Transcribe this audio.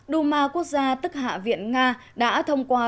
duma quốc gia tức hạ viện nga đã thông qua